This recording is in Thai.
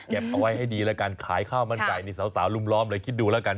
เอาไว้ให้ดีแล้วกันขายข้าวมันไก่นี่สาวลุมล้อมเลยคิดดูแล้วกัน